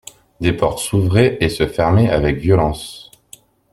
Des portes s'ouvraient et se fermaient avec violence.